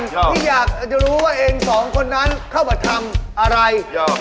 แต่จะรู้ว่าเองสองคนนั้นเข้ามาทำอะไร